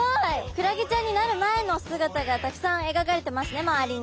クラゲちゃんになる前の姿がたくさんえがかれてますね周りに。